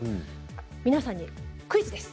皆さんにクイズです。